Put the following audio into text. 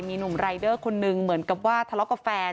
มีหนุ่มรายเดอร์คนนึงเหมือนกับว่าทะเลาะกับแฟน